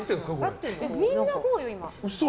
みんなこうよ、今。